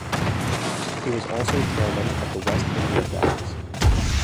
He was also chairman of the West India Docks.